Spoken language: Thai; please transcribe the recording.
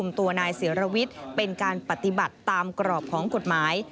ตัวนายเสียรวิทย์เป็นการปฏิบัติตามกรอบของกฎหมาย